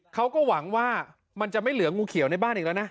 เขาก็หวังว่ามันจะไม่เหลืองูเขียวในบ้านอีกแล้วนะ